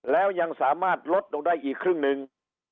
แล้วยังสามารถลดลงได้อีกครึ่งหนึ่ง